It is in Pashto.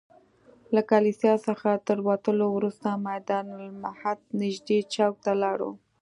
له کلیسا څخه تر وتلو وروسته میدان المهد نږدې چوک ته لاړو.